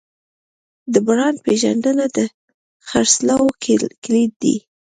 د برانډ پیژندنه د خرڅلاو کلید دی.